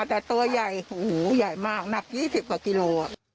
แต่ตัวใหญ่อย่ามากนัก๒๐กว่ากิโล